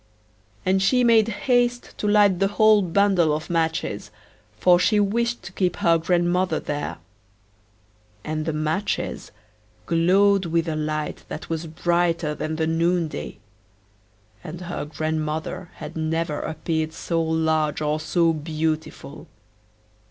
And she made haste to light the whole bundle of matches, for she wished to keep her grandmother there. And the matches glowed with a light that was brighter than the noon day, and her grandmother had never appeared so large or so beautiful.